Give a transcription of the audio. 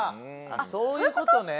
そういうことね。